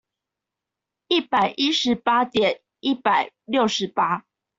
一百一十八點一百六十八